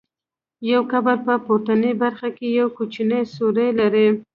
یو قبر په پورتنۍ برخه کې یو کوچنی سوری لري.